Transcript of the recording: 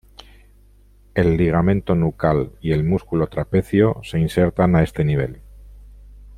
El ligamento nucal y el músculo trapecio se insertan a este nivel.